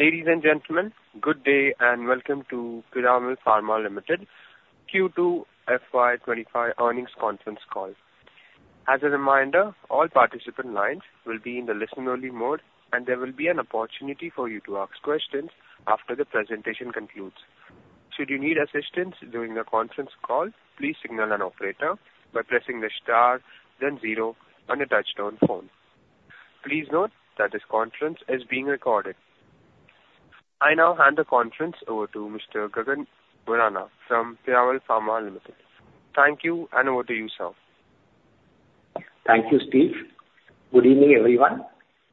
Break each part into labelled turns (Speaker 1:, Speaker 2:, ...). Speaker 1: Ladies and gentlemen, good day and welcome to Piramal Pharma Limited Q2 FY 2025 earnings conference call. As a reminder, all participant lines will be in the listen-only mode, and there will be an opportunity for you to ask questions after the presentation concludes. Should you need assistance during the conference call, please signal an operator by pressing the star, then zero on your touch-tone phone. Please note that this conference is being recorded. I now hand the conference over to Mr. Gagan Borana from Piramal Pharma Limited. Thank you, and over to you, sir.
Speaker 2: Thank you, Steve. Good evening, everyone.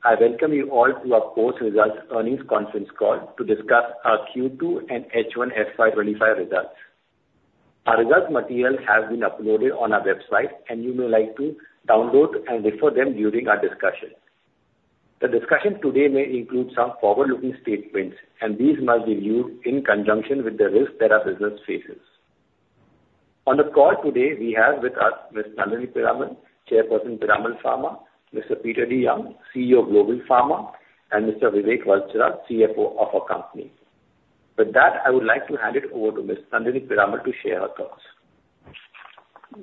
Speaker 2: I welcome you all to our post-results earnings conference call to discuss our Q2 and H1 FY 2025 results. Our results materials have been uploaded on our website, and you may like to download and refer them during our discussion. The discussion today may include some forward-looking statements, and these must be viewed in conjunction with the risks that our business faces. On the call today, we have with us Ms. Nandini Piramal, Chairperson, Piramal Pharma, Mr. Peter DeYoung, CEO, Global Pharma, and Mr. Vivek Valsaraj, CFO of our company. With that, I would like to hand it over to Ms. Nandini Piramal to share her thoughts.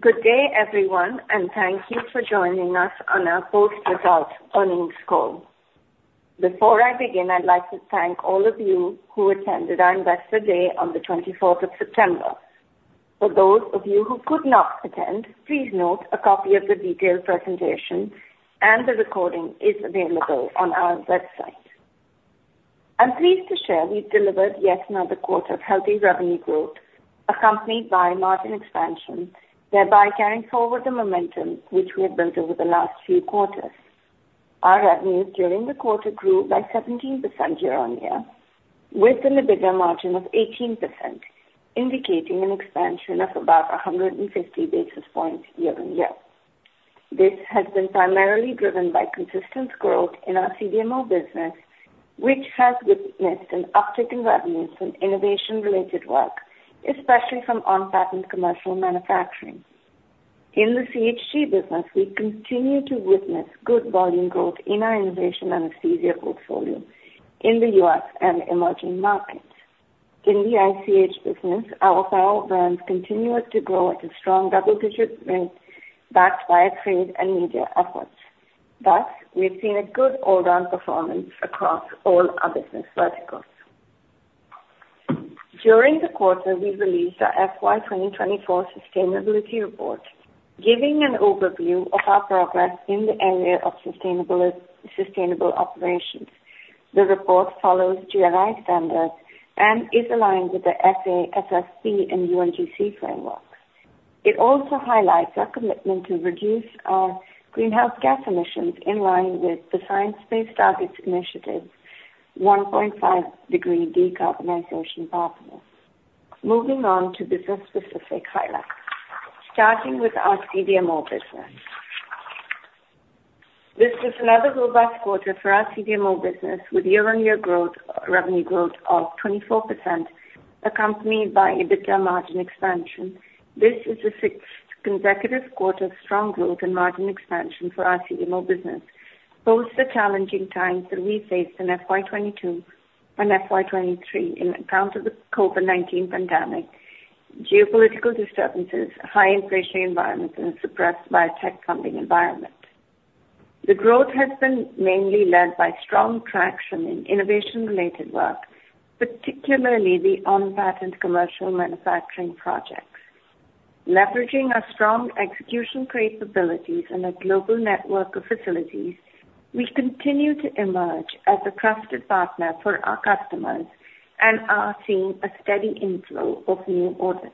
Speaker 3: Good day, everyone, and thank you for joining us on our post-results earnings call. Before I begin, I'd like to thank all of you who attended our Investor Day on the twenty-fourth of September. For those of you who could not attend, please note a copy of the detailed presentation and the recording is available on our website. I'm pleased to share we've delivered yet another quarter of healthy revenue growth, accompanied by margin expansion, thereby carrying forward the momentum which we have built over the last few quarters. Our revenues during the quarter grew by 17% year-on-year, with an EBITDA margin of 18%, indicating an expansion of about 150 basis points year-on-year. This has been primarily driven by consistent growth in our CDMO business, which has witnessed an uptick in revenues from innovation-related work, especially from on-patent commercial manufacturing. In the CHG business, we continue to witness good volume growth in our innovation anesthesia portfolio in the U.S. and emerging markets. In the ICH business, our file brands continued to grow at a strong double-digit rate, backed by trade and media efforts. Thus, we've seen a good all-round performance across all our business verticals. During the quarter, we released our FY 2024 sustainability report, giving an overview of our progress in the area of sustainable operations. The report follows GRI standards and is aligned with the SA, SASB, and UNGC frameworks. It also highlights our commitment to reduce our greenhouse gas emissions in line with the Science-Based Targets Initiative's 1.5-degree decarbonization pathway. Moving on to business-specific highlights. Starting with our CDMO business. This is another robust quarter for our CDMO business, with year-on-year growth, revenue growth of 24%, accompanied by EBITDA margin expansion. This is the sixth consecutive quarter of strong growth and margin expansion for our CDMO business. Post the challenging times that we faced in FY 2022 and FY 2023 on account of the COVID-19 pandemic, geopolitical disturbances, high inflation environments, and suppressed biotech funding environment. The growth has been mainly led by strong traction in innovation-related work, particularly the on-patent commercial manufacturing projects. Leveraging our strong execution capabilities and our global network of facilities, we've continued to emerge as a trusted partner for our customers and are seeing a steady inflow of new orders.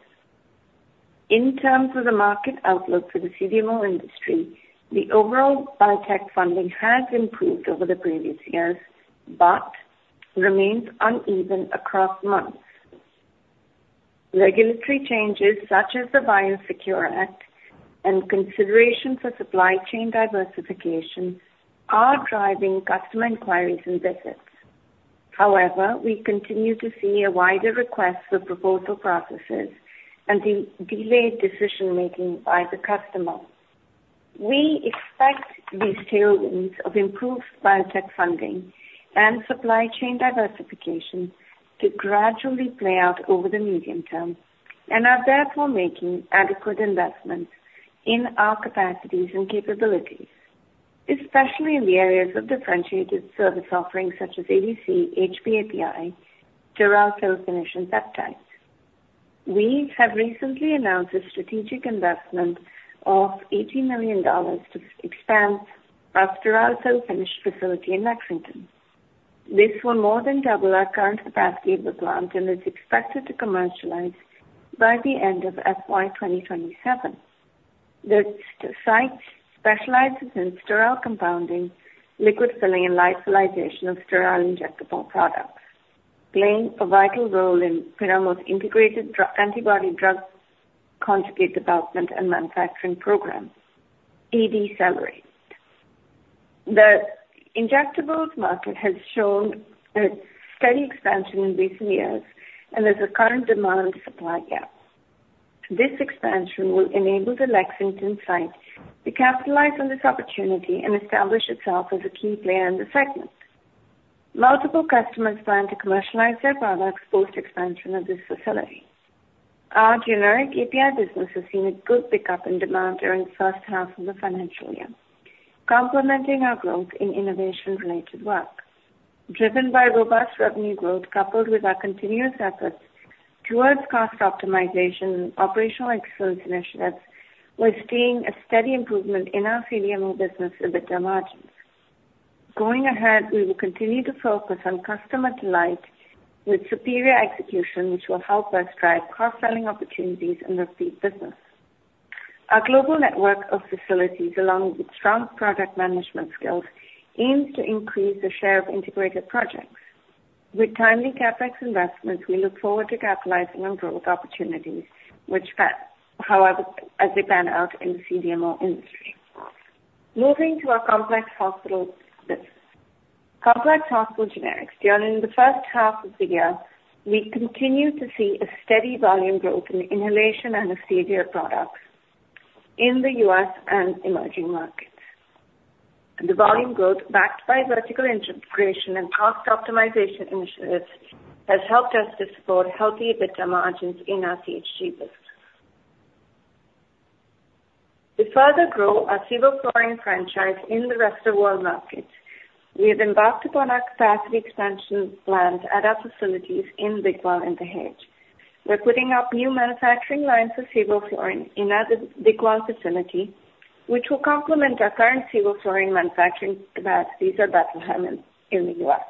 Speaker 3: In terms of the market outlook for the CDMO industry, the overall biotech funding has improved over the previous years, but remains uneven across months. Regulatory changes, such as the BioSecure Act and consideration for supply chain diversification, are driving customer inquiries and visits. However, we continue to see a wider request for proposal processes and delayed decision-making by the customer. We expect these tailwinds of improved biotech funding and supply chain diversification to gradually play out over the medium term and are therefore making adequate investments in our capacities and capabilities, especially in the areas of differentiated service offerings such as ADC, HPAPI, sterile fill-finishing peptides. We have recently announced a strategic investment of $80 million to expand our sterile fill-finish facility in Lexington. This will more than double our current capacity of the plant and is expected to commercialize by the end of FY 2027. The site specializes in sterile compounding, liquid filling, and lyophilization of sterile injectable products, playing a vital role in Piramal's integrated Antibody-Drug Conjugate development and manufacturing program, ADCellerate. The injectables market has shown a steady expansion in recent years, and there's a current demand and supply gap. This expansion will enable the Lexington site to capitalize on this opportunity and establish itself as a key player in the segment. Multiple customers plan to commercialize their products post-expansion of this facility. Our generic API business has seen a good pickup in demand during the first half of the financial year, complementing our growth in innovation-related work. Driven by robust revenue growth, coupled with our continuous efforts towards cost optimization and operational excellence initiatives, we're seeing a steady improvement in our CDMO business EBITDA margins. Going ahead, we will continue to focus on customer delight with superior execution, which will help us drive cross-selling opportunities in this business. Our global network of facilities, along with strong project management skills, aims to increase the share of integrated projects. With timely CapEx investments, we look forward to capitalizing on growth opportunities which fit, however, as they pan out in the CDMO industry. Moving to our Complex Hospital business. Complex Hospital Generics, during the first half of the year, we continued to see a steady volume growth in the inhalation anesthesia products in the U.S. and emerging markets. The volume growth, backed by vertical integration and cost optimization initiatives, has helped us to support healthy EBITDA margins in our CHG business. To further grow our Sevoflurane franchise in the rest of world markets, we have embarked upon our capacity expansion plans at our facilities in Digwal and Dahej. We're putting up new manufacturing lines for sevoflurane in our Digwal facility, which will complement our current sevoflurane manufacturing capacities at Bethlehem in the U.S.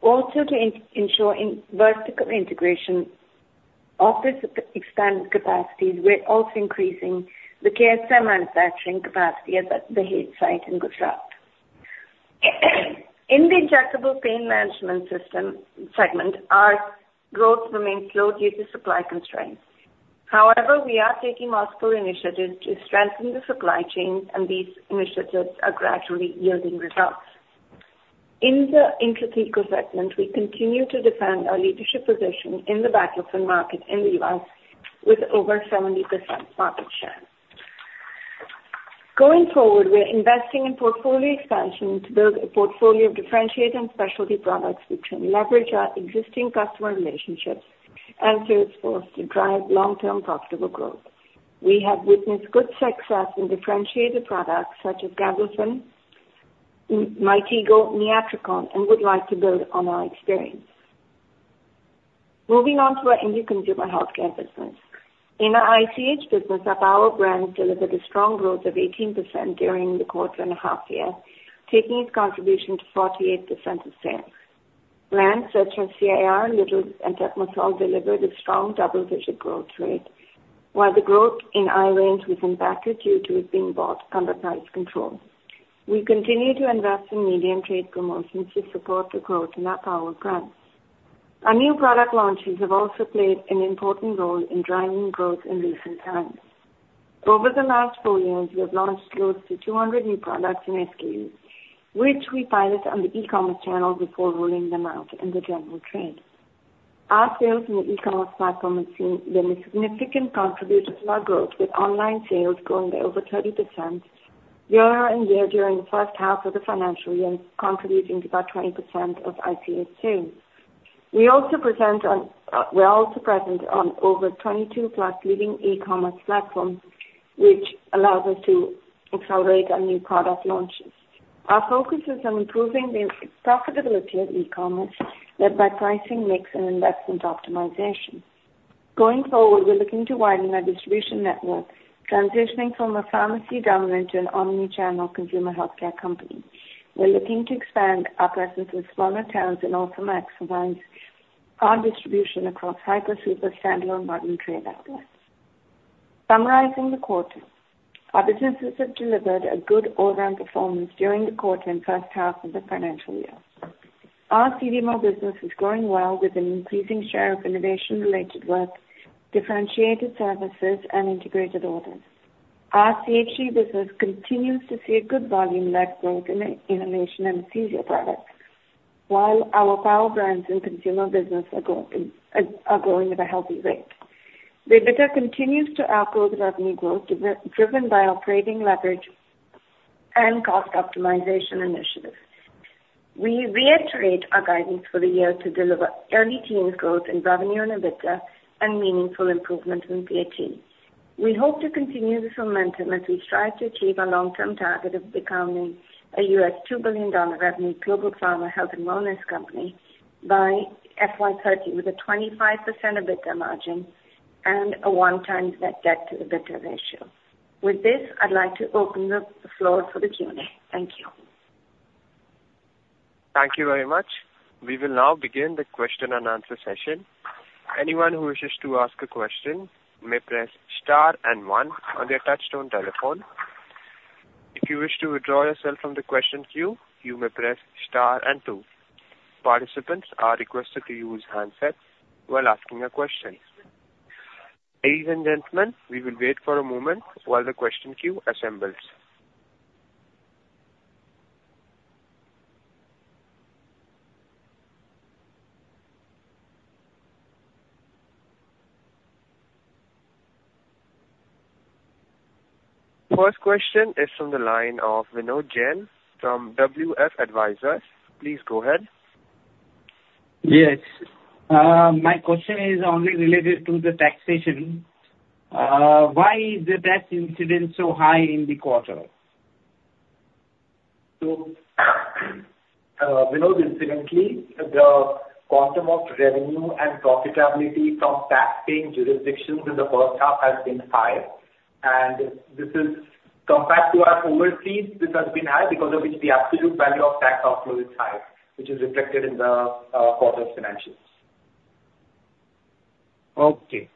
Speaker 3: Also, to ensure vertical integration of this expanded capacities, we're also increasing the KSM manufacturing capacity at the Dahej site in Gujarat. In the injectable pain management system segment, our growth remains slow due to supply constraints. However, we are taking multiple initiatives to strengthen the supply chains, and these initiatives are gradually yielding results. In the intrathecal segment, we continue to defend our leadership position in the baclofen market in the U.S., with over 70% market share. Going forward, we are investing in portfolio expansion to build a portfolio of differentiated and specialty products which can leverage our existing customer relationships and to support to drive long-term profitable growth. We have witnessed good success in differentiated products such as Gablofen, Mitigo, and Itracon, and would like to build on our experience. Moving on to our India Consumer Healthcare business. In our ICH business, our power brands delivered a strong growth of 18% during the quarter and a half year, taking its contribution to 48% of sales. Brands such as CIR, Little's, and Tetmosol delivered a strong double-digit growth rate, while the growth in i-pill was impacted due to it being bought under price control. We continue to invest in medium trade promotions to support the growth in our power brands. Our new product launches have also played an important role in driving growth in recent times. Over the last four years, we have launched close to 200 new products in SKU, which we pilot on the e-commerce channel before rolling them out in the general trade. Our sales in the e-commerce platform have seen been a significant contributor to our growth, with online sales growing by over 30% year-on-year during the first half of the financial year, contributing to about 20% of ICH sales. We are also present on over 22+ leading e-commerce platforms, which allows us to accelerate our new product launches. Our focus is on improving the profitability of e-commerce, led by pricing, mix, and investment optimization. Going forward, we're looking to widen our distribution network, transitioning from a pharmacy-dominant to an omni-channel consumer healthcare company. We're looking to expand our presence in smaller towns and also maximize our distribution across hyper, super, standalone, modern trade outlets. Summarizing the quarter, our businesses have delivered a good all-round performance during the quarter and first half of the financial year. Our CDMO business is growing well, with an increasing share of innovation-related work, differentiated services, and integrated orders. Our CHG business continues to see a good volume-led growth in the inhalation anesthesia products, while our power brands and consumer business are growing at a healthy rate. The EBITDA continues to outgrow the revenue growth, driven by operating leverage and cost optimization initiatives. We reiterate our guidance for the year to deliver early teens growth in revenue and EBITDA, and meaningful improvement in CHG. We hope to continue this momentum as we strive to achieve our long-term target of becoming a $2 billion revenue global pharma health and wellness company by FY 2030, with a 25% EBITDA margin and a one times net debt-to-EBITDA ratio. With this, I'd like to open the floor for the Q&A. Thank you.
Speaker 1: Thank you very much. We will now begin the question and answer session. Anyone who wishes to ask a question may press star and one on their touchtone telephone. If you wish to withdraw yourself from the question queue, you may press star and two. Participants are requested to use handsets while asking a question. Ladies and gentlemen, we will wait for a moment while the question queue assembles. First question is from the line of Vinod Jain from WF Advisors. Please go ahead.
Speaker 4: Yes. My question is only related to the taxation. Why is the tax incidence so high in the quarter?
Speaker 5: So, Vinod, incidentally, the quantum of revenue and profitability from tax paying jurisdictions in the first half has been high, and this is compared to our overseas, this has been high because of which the absolute value of tax outflow is high, which is reflected in the quarter financials.
Speaker 4: Okay.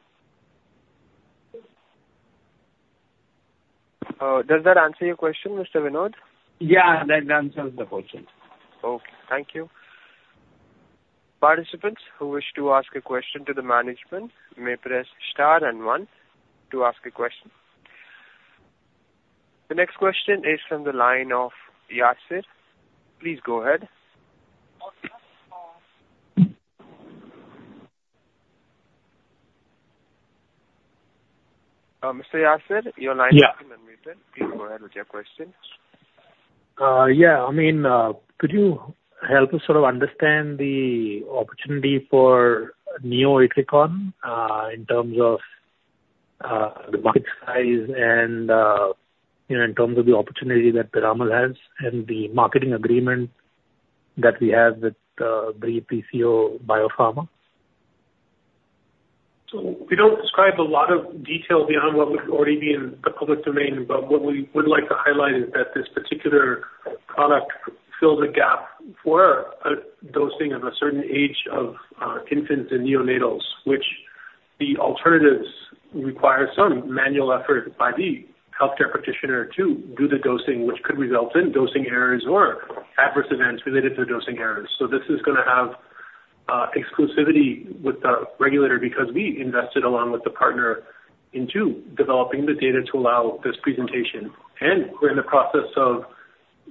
Speaker 1: Does that answer your question, Mr. Vinod?
Speaker 4: Yeah, that answers the question.
Speaker 1: Okay, thank you. Participants who wish to ask a question to the management may press star and one to ask a question. The next question is from the line of Yasser. Please go ahead. Mr. Yasser, your line-
Speaker 6: Yeah.
Speaker 1: Has been unmuted. Please go ahead with your question.
Speaker 6: Yeah, I mean, could you help us sort of understand the opportunity for Neo-Itracon in terms of the market size and, you know, in terms of the opportunity that Piramal has and the marketing agreement that we have with the PCO Biopharma?
Speaker 7: So we don't describe a lot of detail beyond what would already be in the public domain, but what we would like to highlight is that this particular product fills a gap for a dosing of a certain age of infants and neonatals, which the alternatives require some manual effort by the healthcare practitioner to do the dosing, which could result in dosing errors or adverse events related to dosing errors. So this is gonna have exclusivity with the regulator because we invested along with the partner into developing the data to allow this presentation. And we're in the process of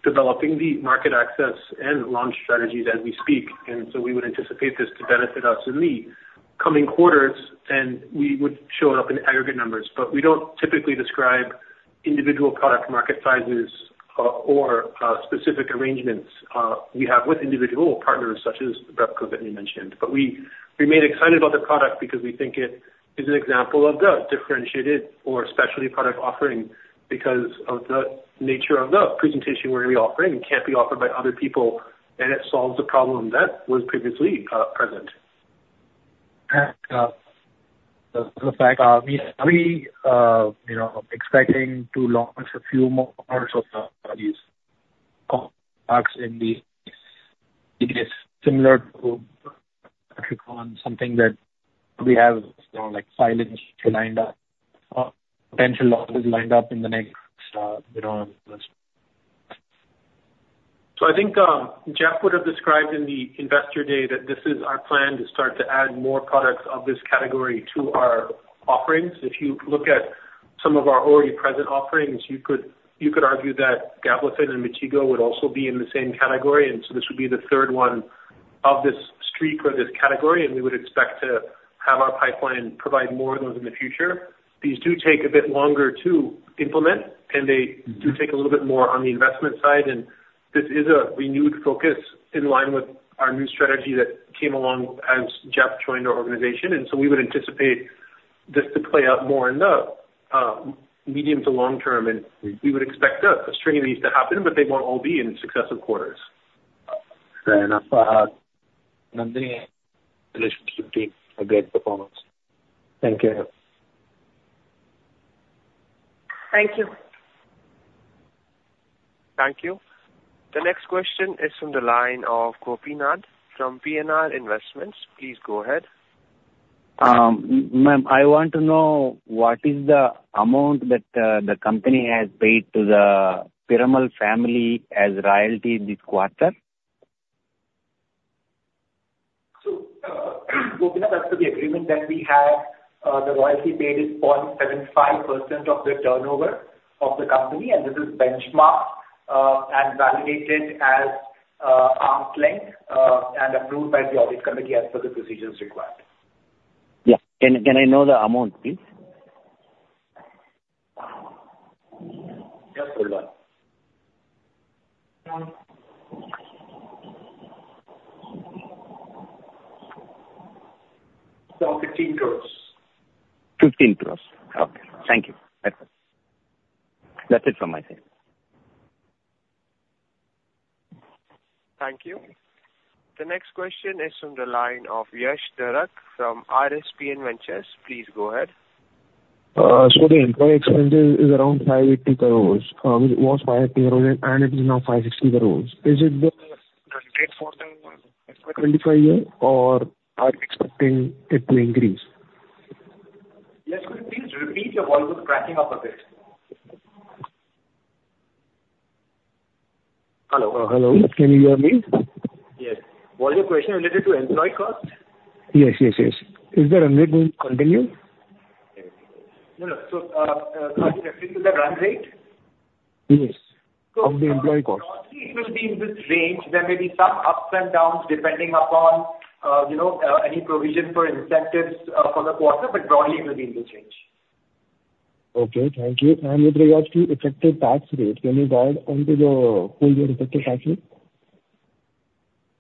Speaker 7: developing the market access and launch strategy as we speak. And so we would anticipate this to benefit us in the coming quarters, and we would show it up in aggregate numbers. But we don't typically describe individual product market sizes or specific arrangements we have with individual partners, such as Repco, that you mentioned. But we remain excited about the product because we think it is an example of the differentiated or specialty product offering because of the nature of the presentation where we offering, it can't be offered by other people, and it solves the problem that was previously present.
Speaker 6: The fact we are, you know, expecting to launch a few more products of the these products similar to Itracon, something that we have, you know, like, sales lined up, potential launches lined up in the next, you know.
Speaker 7: So I think, Jeff would have described in the Investor Day that this is our plan to start to add more products of this category to our offerings. If you look at some of our already present offerings, you could, you could argue that Gabapentin and Mitigo would also be in the same category, and so this would be the third one of this streak or this category, and we would expect to have our pipeline provide more of those in the future. These do take a bit longer to implement, and they do take a little bit more on the investment side, and this is a renewed focus in line with our new strategy that came along as Jeff joined our organization, and so we would anticipate this to play out more in the medium to long term, and we would expect a string of these to happen, but they won't all be in successive quarters.
Speaker 6: Fair enough. Nandini, relationships team, a great performance. Thank you.
Speaker 1: Thank you. Thank you. The next question is from the line of Gopinath from PNR Investments. Please go ahead.
Speaker 8: Ma'am, I want to know what is the amount that, the company has paid to the Piramal family as royalty this quarter?
Speaker 5: So, Gopinath, as to the agreement that we have, the royalty paid is 0.75% of the turnover of the company, and this is benchmarked, and validated as arm's length, and approved by the audit committee as per the procedures required.
Speaker 8: Yeah. Can I know the amount, please?
Speaker 5: Yes, hold on. So 15 crores.
Speaker 8: 15 crores. Okay. Thank you. That's it. That's it from my side.
Speaker 1: Thank you. The next question is from the line of Yash Dharak from RSP Ventures. Please go ahead.
Speaker 9: So the employee expenses is around 580 crore, it was 580 crore, and it is now 560 crore. Is it the rate for the fiscal 2025 year, or are you expecting it to increase?
Speaker 5: Yash, could you please repeat? Your volume is breaking up a bit. Hello.
Speaker 9: Hello. Can you hear me?
Speaker 5: Yes. Was your question related to employee cost?
Speaker 9: Yes, yes, yes. Is the runway going to continue?
Speaker 5: No, no, so, referring to the run rate?
Speaker 9: Yes, of the employee cost.
Speaker 5: It will be in this range. There may be some ups and downs, depending upon, you know, any provision for incentives, for the quarter, but broadly it will be in this range.
Speaker 9: Okay, thank you. And with regards to effective tax rate, can you guide onto your full year effective tax rate?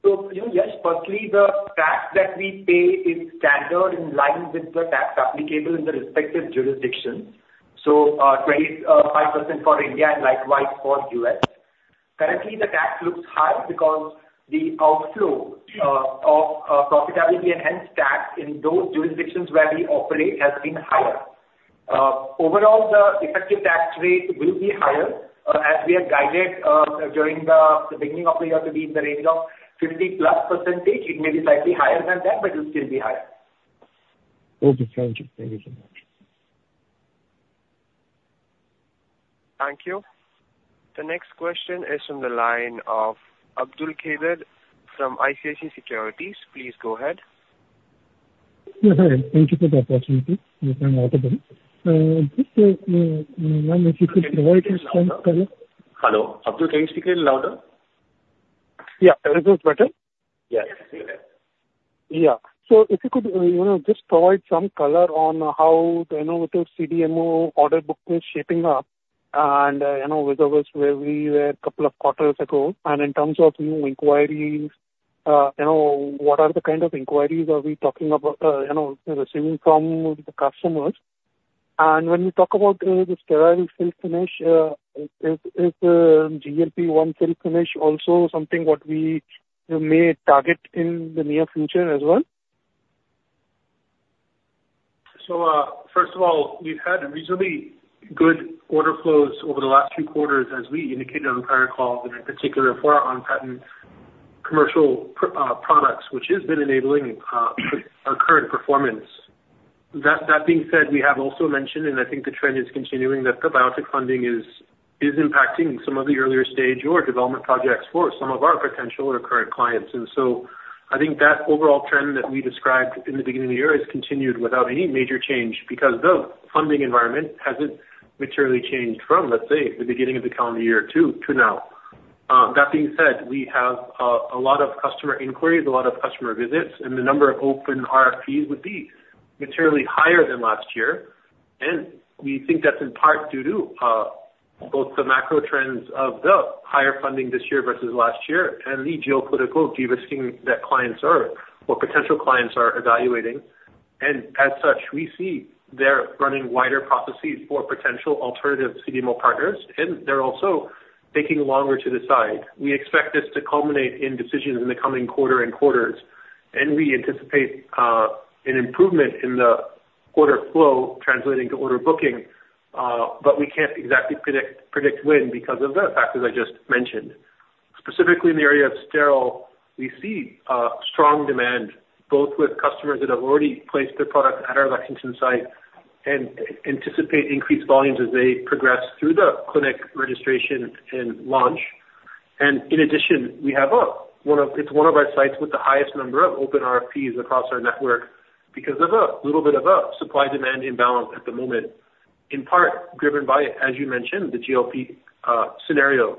Speaker 5: So, you know, yes, firstly, the tax that we pay is standard in line with the tax applicable in the respective jurisdictions, so, 25% for India and likewise for U.S. Currently, the tax looks high because the outflow of profitability and hence tax in those jurisdictions where we operate has been higher. Overall, the effective tax rate will be higher, as we have guided, during the beginning of the year to be in the range of 50%+. It may be slightly higher than that, but it will still be higher.
Speaker 9: Okay, thank you. Thank you so much.
Speaker 1: Thank you. The next question is from the line of Abdul Kader from ICICI Securities. Please go ahead.
Speaker 10: Yes, hi. Thank you for the opportunity. Just, if you could provide some color.
Speaker 7: Hello, Abdul, can you speak a little louder?
Speaker 10: Yeah, is this better?
Speaker 7: Yes, it is.
Speaker 10: Yeah. So if you could, you know, just provide some color on how the innovative CDMO order book is shaping up and, you know, versus where we were couple of quarters ago, and in terms of new inquiries, you know, what are the kind of inquiries we are talking about, you know, receiving from the customers? And when you talk about the sterile fill finish, is GLP-1 fill finish also something what we may target in the near future as well?
Speaker 7: So, first of all, we've had reasonably good order flows over the last few quarters, as we indicated on the prior call, and in particular for our on-patent commercial products, which has been enabling our current performance. That being said, we have also mentioned, and I think the trend is continuing, that the biotech funding is impacting some of the earlier stage or development projects for some of our potential or current clients. And so I think that overall trend that we described in the beginning of the year has continued without any major change because the funding environment hasn't materially changed from, let's say, the beginning of the calendar year to now. That being said, we have a lot of customer inquiries, a lot of customer visits, and the number of open RFPs would be materially higher than last year. We think that's in part due to both the macro trends of the higher funding this year versus last year, and the geopolitical de-risking that clients are or potential clients are evaluating. As such, we see they're running wider processes for potential alternative CDMO partners, and they're also taking longer to decide. We expect this to culminate in decisions in the coming quarter and quarters, and we anticipate an improvement in the order flow translating to order booking, but we can't exactly predict when because of the factors I just mentioned. Specifically in the area of sterile, we see strong demand, both with customers that have already placed their product at our Lexington site and anticipate increased volumes as they progress through the clinic registration and launch. In addition, we have one of. It's one of our sites with the highest number of open RFPs across our network because of a little bit of a supply-demand imbalance at the moment, in part driven by, as you mentioned, the GLP-1 scenario.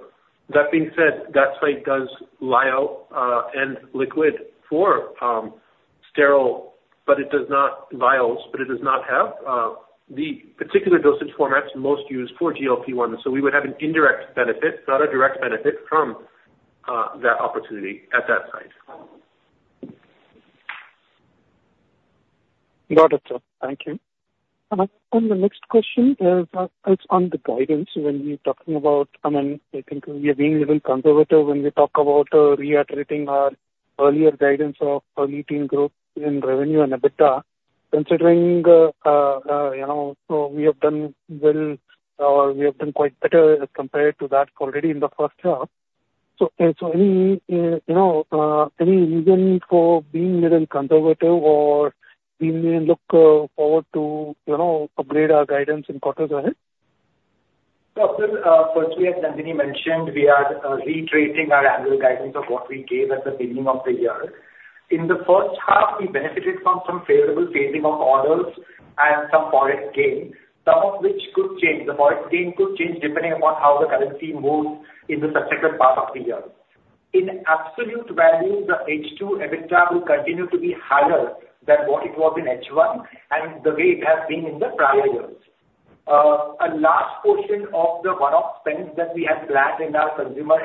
Speaker 7: That being said, that site does lyophilization and liquid fill for sterile vials, but it does not have the particular dosage formats most used for GLP-1. So we would have an indirect benefit, not a direct benefit from that opportunity at that site.
Speaker 10: Got it, sir. Thank you. And the next question is on the guidance when you're talking about, I mean, I think we are being a little conservative when we talk about reiterating our earlier guidance of 18% growth in revenue and EBITDA, considering, you know, so we have done well or we have done quite better as compared to that already in the first half. So any, you know, any reason for being little conservative or we may look forward to, you know, upgrade our guidance in quarters ahead?
Speaker 5: So, firstly, as Nandini mentioned, we are reiterating our annual guidance of what we gave at the beginning of the year. In the first half, we benefited from some favorable phasing of orders and some Forex gain, some of which could change. The Forex gain could change depending upon how the currency moves in the subsequent part of the year. In absolute value, the H2 EBITDA will continue to be higher than what it was in H1 and the way it has been in the prior years. A large portion of the one-off spends that we had planned in our consumer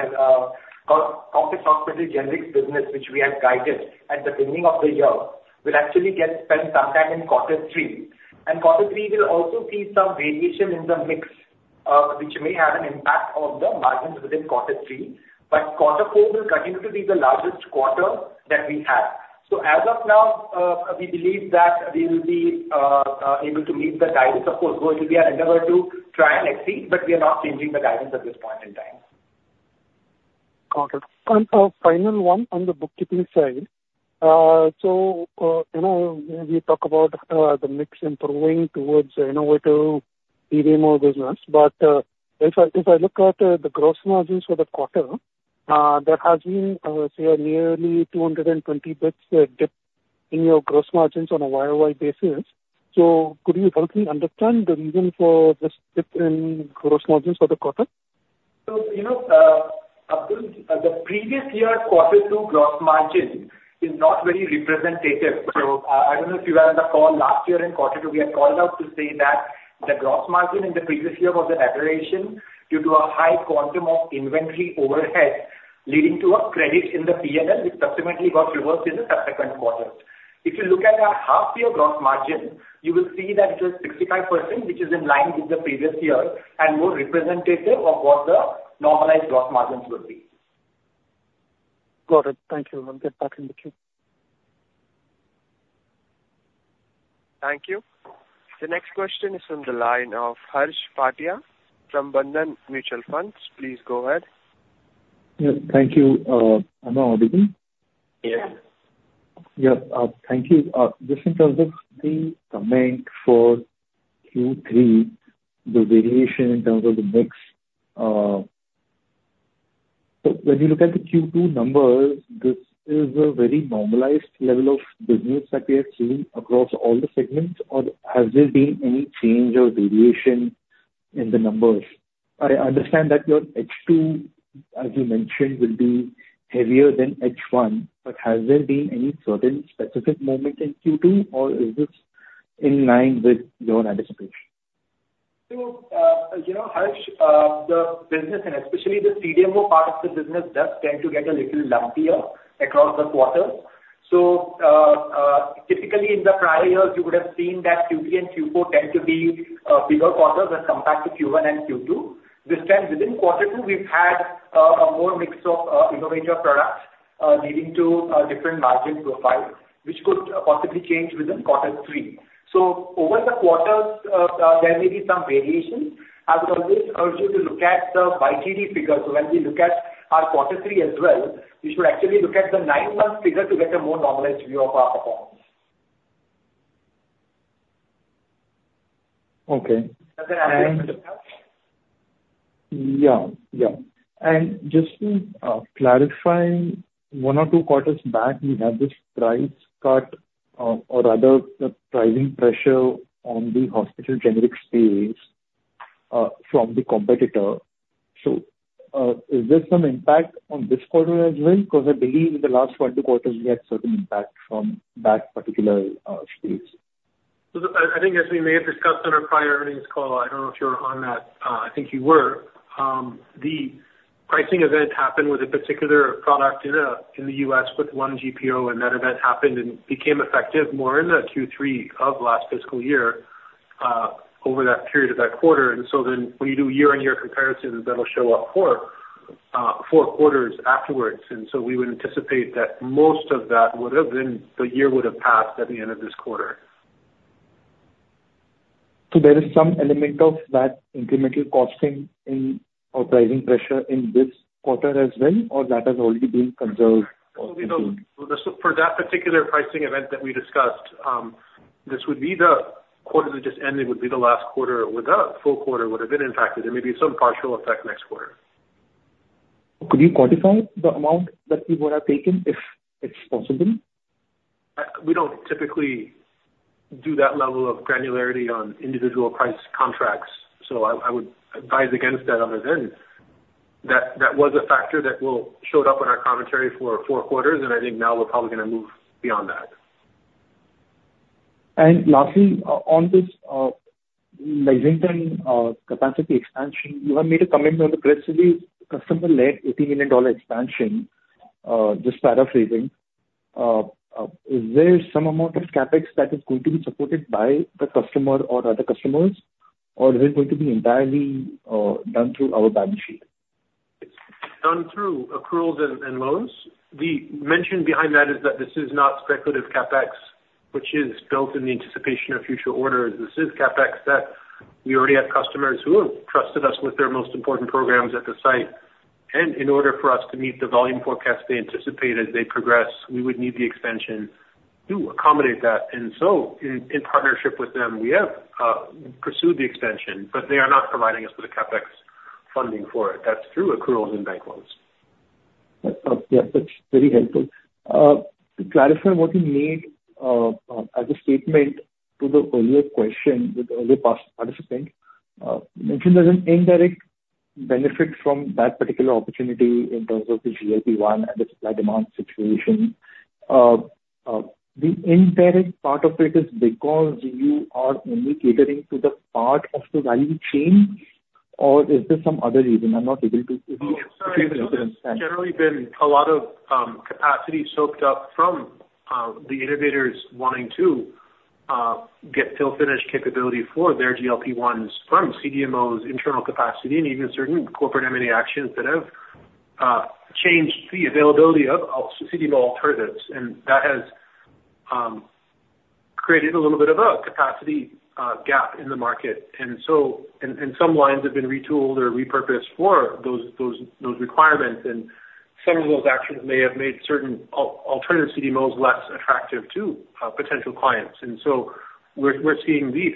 Speaker 5: corporate hospital generics business, which we had guided at the beginning of the year, will actually get spent sometime in quarter three. And quarter three will also see some variation in the mix, which may have an impact on the margins within quarter three, but quarter four will continue to be the largest quarter that we have. So as of now, we believe that we will be able to meet the guidance. Of course, it will be our endeavor to try and exceed, but we are not changing the guidance at this point in time.
Speaker 10: Got it. And a final one on the bookkeeping side. So, you know, we talk about the mix improving towards the innovative CDMO business. But if I look at the gross margins for the quarter. There has been, say, a nearly two hundred and twenty basis points dip in your gross margins on a YOY basis. So could you help me understand the reason for this dip in gross margins for the quarter?
Speaker 5: So, you know, Abdul, the previous year's quarter two gross margin is not very representative. So, I don't know if you were on the call last year in quarter two, we had called out to say that the gross margin in the previous year was an aberration due to a high quantum of inventory overhead, leading to a credit in the PNL, which subsequently got reversed in the subsequent quarters. If you look at our half year gross margin, you will see that it was 65%, which is in line with the previous year and more representative of what the normalized gross margins will be.
Speaker 10: Got it. Thank you. Talk in the queue.
Speaker 1: Thank you. The next question is from the line of Harsh Bhatia from Bandhan Mutual Fund. Please go ahead.
Speaker 11: Yes, thank you. Am I audible?
Speaker 1: Yes.
Speaker 11: Yeah. Thank you. Just in terms of the comment for Q3, the variation in terms of the mix, so when you look at the Q2 numbers, this is a very normalized level of business that we have seen across all the segments, or has there been any change or variation in the numbers? I understand that your H2, as you mentioned, will be heavier than H1, but has there been any certain specific moment in Q2, or is this in line with your anticipation?
Speaker 5: So, you know, Harsh, the business, and especially the CDMO part of the business, does tend to get a little lumpier across the quarter. Typically in the prior years, you would have seen that Q3 and Q4 tend to be bigger quarters as compared to Q1 and Q2. This time, within quarter two, we've had a more mix of innovator products leading to different margin profiles, which could possibly change within quarter three. So over the quarters, there may be some variations. I would always urge you to look at the YTD figures. So when we look at our quarter three as well, we should actually look at the nine-month figure to get a more normalized view of our performance.
Speaker 11: Okay.
Speaker 5: Is there anything else?
Speaker 11: Yeah. Yeah. And just to clarify, one or two quarters back, we had this price cut, or rather the pricing pressure on the hospital generic space, from the competitor. So, is there some impact on this quarter as well? Because I believe in the last one, two quarters, we had certain impact from that particular space.
Speaker 7: So I think as we may have discussed on our prior earnings call, I don't know if you were on that, I think you were. The pricing event happened with a particular product in the U.S. with one GPO, and that event happened and became effective more in the Q3 of last fiscal year, over that period of that quarter. And so then when you do year-on-year comparisons, that'll show up quarter four quarters afterwards, and so we would anticipate that most of that would have been, the year would have passed at the end of this quarter.
Speaker 11: So there is some element of that incremental costing in, or pricing pressure in this quarter as well, or that has already been contained or included?
Speaker 7: For that particular pricing event that we discussed, this would be the quarter that just ended, would be the last quarter, where the full quarter would have been impacted and maybe some partial effect next quarter.
Speaker 11: Could you quantify the amount that you would have taken, if it's possible?
Speaker 7: We don't typically do that level of granularity on individual price contracts, so I would advise against that. Other than that, that was a factor that we showed up in our commentary for four quarters, and I think now we're probably gonna move beyond that.
Speaker 11: And lastly, on this Lexington capacity expansion, you have made a comment on the progressively customer-led $80 million expansion, just paraphrasing. Is there some amount of CapEx that is going to be supported by the customer or other customers, or is it going to be entirely done through our balance sheet?
Speaker 7: It's done through accruals and loans. The mention behind that is that this is not speculative CapEx, which is built in the anticipation of future orders. This is CapEx that we already have customers who have trusted us with their most important programs at the site. And in order for us to meet the volume forecast they anticipated they progress, we would need the extension to accommodate that. And so in partnership with them, we have pursued the extension, but they are not providing us with the CapEx funding for it. That's through accruals and bank loans.
Speaker 11: Yeah, that's very helpful. To clarify what you mean, as a statement to the earlier question, with the past participant mentioned there's an indirect benefit from that particular opportunity in terms of the GLP-1 and the supply-demand situation. The indirect part of it is because you are only catering to the part of the value chain, or is there some other reason? I'm not able to-
Speaker 7: Oh, it's generally been a lot of capacity soaked up from the innovators wanting to get fill finish capability for their GLP-1s from CDMO's internal capacity, and even certain corporate M&A actions that have changed the availability of alternative CDMO alternatives. And that has created a little bit of a capacity gap in the market. And so some lines have been retooled or repurposed for those requirements. And some of those actions may have made certain alternative CDMOs less attractive to potential clients. And so we're seeing these.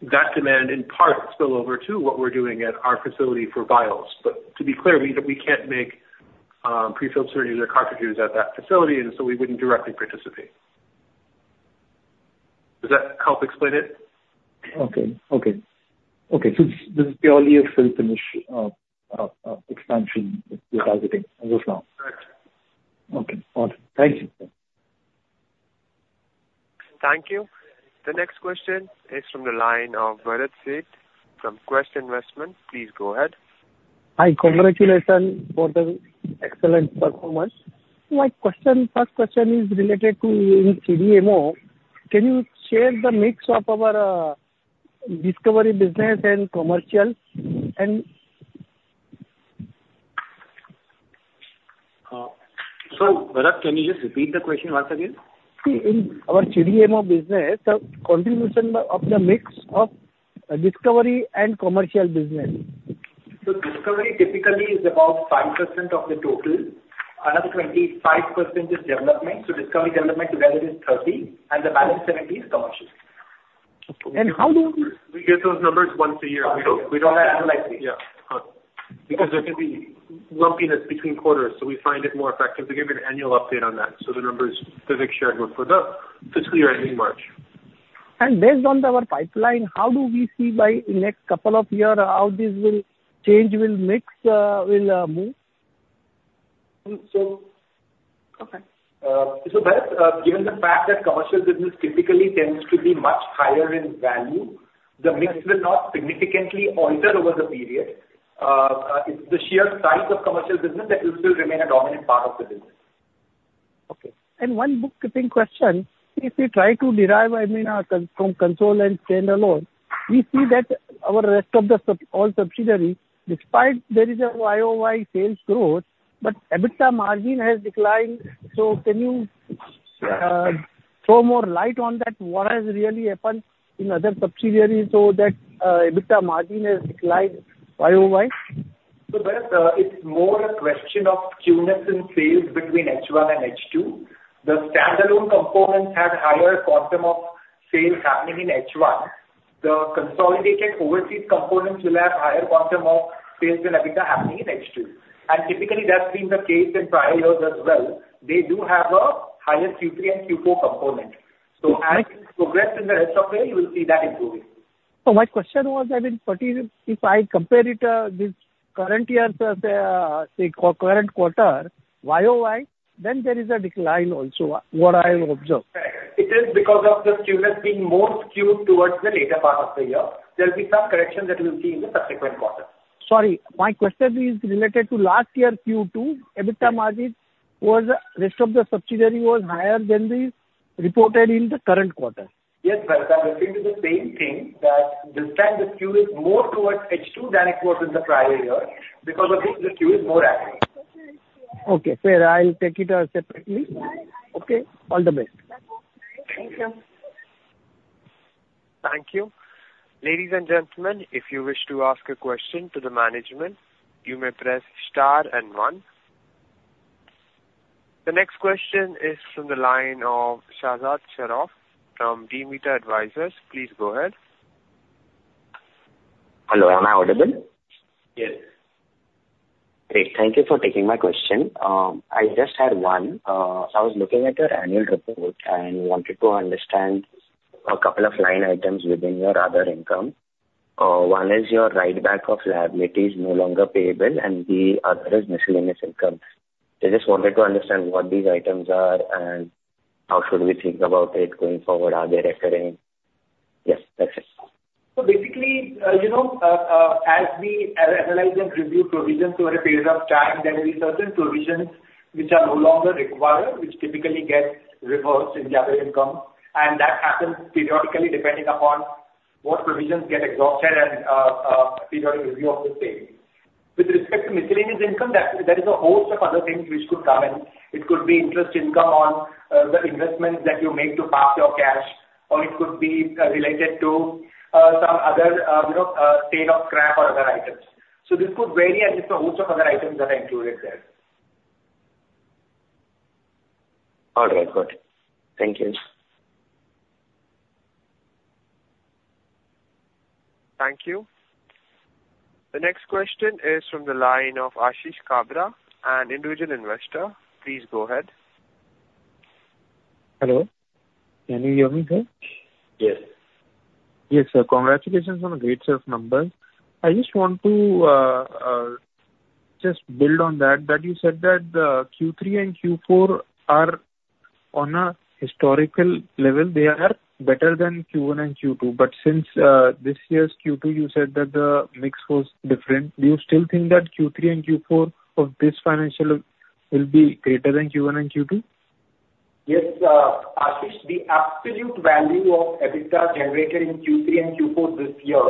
Speaker 7: That demand, in part, spill over to what we're doing at our facility for vials. But to be clear, we can't make pre-filled syringes or cartridges at that facility, and so we wouldn't directly participate. Does that help explain it?
Speaker 11: Okay. Okay. Okay, so this is purely a fill-finish expansion you're targeting as of now?
Speaker 7: Correct.
Speaker 11: Okay. Got it. Thank you.
Speaker 1: Thank you. The next question is from the line of Bharat Seth from Quest Investments. Please go ahead.
Speaker 12: Hi. Congratulations for the excellent performance. My question, first question is related to in CDMO. Can you share the mix of our discovery business and commercial? And-
Speaker 5: So, Bharat, can you just repeat the question once again?
Speaker 12: In our CDMO business, the contribution of the mix of discovery and commercial business.
Speaker 5: Discovery typically is about 5% of the total. Another 25% is development. Discovery, development, together is 30%, and the balance 70% is commercial.
Speaker 12: How do you-
Speaker 5: We get those numbers once a year. We don't.
Speaker 12: Yeah.
Speaker 7: Because there can be lumpiness between quarters, so we find it more effective to give you an annual update on that, so the numbers Vivek shared were for the fiscal year ending March.
Speaker 12: Based on our pipeline, how do we see by the next couple of years, how this will change, will mix, will move?
Speaker 5: Bharat, given the fact that commercial business typically tends to be much higher in value, the mix will not significantly alter over the period. It's the sheer size of commercial business that it will remain a dominant part of the business.
Speaker 12: Okay. And one bookkeeping question, if you try to derive, I mean, from consolidated and standalone, we see that our rest of the subsidiaries, despite there is a YOY sales growth, but EBITDA margin has declined. So can you throw more light on that? What has really happened in other subsidiaries so that EBITDA margin has declined YOY?
Speaker 5: So, Bharat, it's more a question of seasonality in sales between H1 and H2. The standalone components have higher quantum of sales happening in H1. The consolidated overseas components will have higher quantum of sales and EBITDA happening in H2. And typically, that's been the case in prior years as well. They do have a higher Q3 and Q4 component. So as we progress in the rest of the year, you will see that improving.
Speaker 12: My question was, I mean, particularly if I compare it, this current year's, the current quarter YOY, then there is a decline also, what I observed.
Speaker 5: Correct. It is because of the Q-ness being more skewed towards the later part of the year. There'll be some correction that we'll see in the subsequent quarter.
Speaker 12: Sorry. My question is related to last year's Q2. EBITDA margin was, rest of the subsidiary was higher than the reported in the current quarter.
Speaker 5: Yes, Bharat. I'm referring to the same thing, that this time the Q is more towards H2 than it was in the prior year. Because of this, the Q is more accurate.
Speaker 12: Okay, fair. I'll take it separately. Okay, all the best.
Speaker 5: Thank you.
Speaker 1: Thank you. Ladies and gentlemen, if you wish to ask a question to the management, you may press star and one. The next question is from the line of Shahzad Sharoff from DMita Advisors. Please go ahead.
Speaker 13: Hello, am I audible?
Speaker 5: Yes.
Speaker 13: Great, thank you for taking my question. I just had one. So I was looking at your annual report and wanted to understand a couple of line items within your other income. One is your write back of liabilities no longer payable, and the other is miscellaneous income. I just wanted to understand what these items are and how should we think about it going forward. Are they recurring? Yes, that's it.
Speaker 5: So basically, you know, as we analyze and review provisions over a period of time, there will be certain provisions which are no longer required, which typically get reversed in the other income. And that happens periodically, depending upon what provisions get exhausted and periodic review of the same. With respect to miscellaneous income, there is a host of other things which could come in. It could be interest income on the investments that you make to park your cash, or it could be related to some other, you know, sale of scrap or other items. So this could vary, and there's a host of other items that are included there.
Speaker 13: All right, got it. Thank you.
Speaker 1: Thank you. The next question is from the line of Ashish Kabra, an individual investor. Please go ahead.
Speaker 14: Hello, can you hear me, sir?
Speaker 5: Yes.
Speaker 14: Yes, sir. Congratulations on a great set of numbers. I just want to just build on that, that you said that Q3 and Q4 are on a historical level, they are better than Q1 and Q2. But since this year's Q2, you said that the mix was different. Do you still think that Q3 and Q4 of this financial will be greater than Q1 and Q2?
Speaker 5: Yes, Ashish, the absolute value of EBITDA generated in Q3 and Q4 this year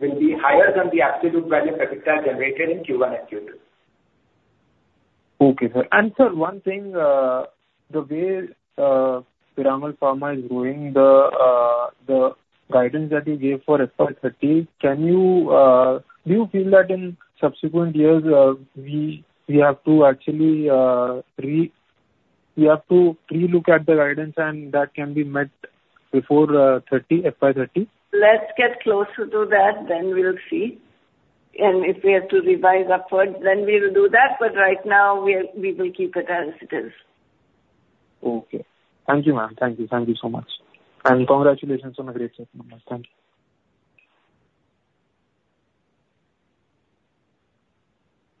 Speaker 5: will be higher than the absolute value of EBITDA generated in Q1 and Q2.
Speaker 14: Okay, sir. And sir, one thing, the way Piramal Pharma is doing the guidance that you gave for FY 2030, can you... Do you feel that in subsequent years, we have to actually re-look at the guidance and that can be met before thirty, FY 2030?
Speaker 3: Let's get closer to that, then we'll see. And if we have to revise upward, then we will do that, but right now, we will keep it as it is.
Speaker 14: Okay. Thank you, ma'am. Thank you. Thank you so much, and congratulations on a great set of numbers. Thank you.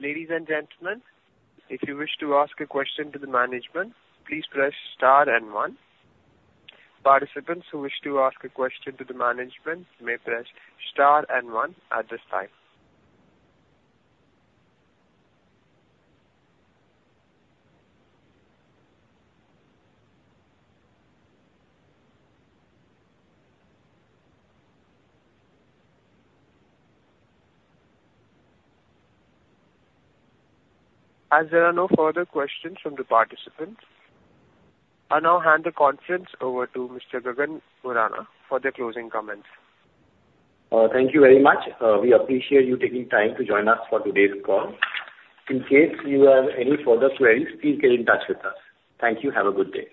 Speaker 1: Ladies and gentlemen, if you wish to ask a question to the management, please press star and one. Participants who wish to ask a question to the management may press star and one at this time. As there are no further questions from the participants, I now hand the conference over to Mr. Gagan Borana for the closing comments.
Speaker 2: Thank you very much. We appreciate you taking time to join us for today's call. In case you have any further queries, please get in touch with us. Thank you. Have a good day!